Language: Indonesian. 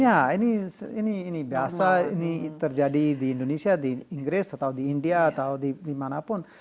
ya ini biasa ini terjadi di indonesia di inggris atau di india atau dimanapun